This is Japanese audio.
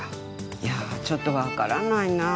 いやちょっとわからないなぁ。